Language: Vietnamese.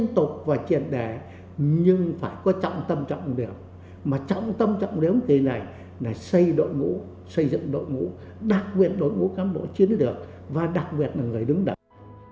tổng tâm trong đếm kỳ này là xây đội ngũ xây dựng đội ngũ đặc biệt đội ngũ cám bộ chiến lược và đặc biệt là người đứng đẳng